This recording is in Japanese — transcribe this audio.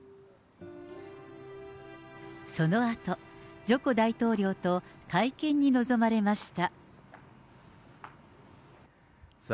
そのあと、ジョコ大統領と会見に臨まれました。